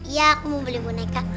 ya aku mau beli boneka